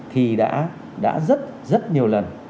thì đã rất rất nhiều lần